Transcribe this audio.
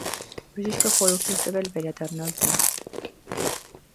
Բժիշկը խորհուրդ էր տվել վերադառնալ տուն: